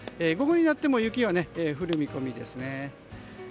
午後になっても雪は降る見込みですね。